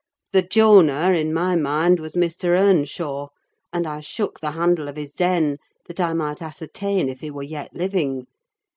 The Jonah, in my mind, was Mr. Earnshaw; and I shook the handle of his den that I might ascertain if he were yet living.